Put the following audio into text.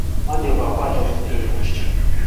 Wanjovu akwata omupiira.